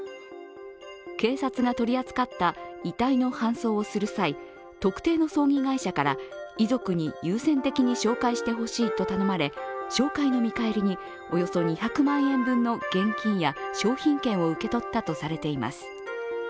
警察が取り扱った遺体の搬送をする際、特定の葬儀会社から遺族に優先的に紹介してほしいと頼まれ、紹介の見返りに、およそ２００万円分の現金や商品券を受け取ったとされています。